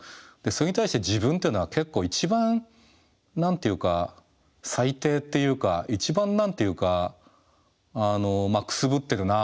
それに対して自分っていうのは結構一番何て言うか最低っていうか一番何て言うかくすぶってるなみたいなことも思ってたし。